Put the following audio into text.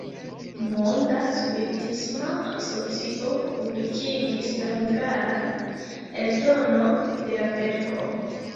Monda Spiritisma Asocio publikigis la hungaran eldonon de la verko.